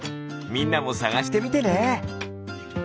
みんなもさがしてみてね。